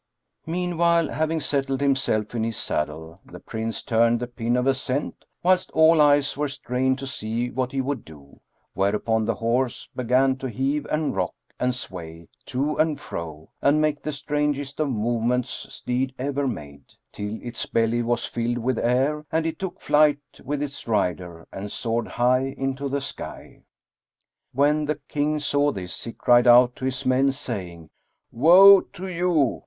Meanwhile, having settled himself in his saddle, the Prince turned the pin of ascent; whilst all eyes were strained to see what he would do, whereupon the horse began to heave and rock and sway to and fro and make the strangest of movements steed ever made, till its belly was filled with air and it took flight with its rider and soared high into the sky. When the King saw this, he cried out to his men, saying, "Woe to you!